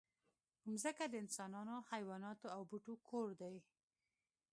مځکه د انسانانو، حیواناتو او بوټو کور دی.